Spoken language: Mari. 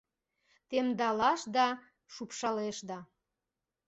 Темдалаш да шупшалеш да.